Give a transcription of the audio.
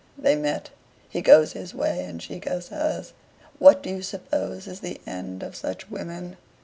They met. He goes his way and she goes hers. What do you suppose is the end of such women?"